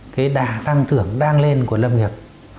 cái đà tăng trưởng đang lên của lâm nghiệp